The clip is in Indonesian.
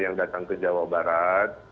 yang datang ke jawa barat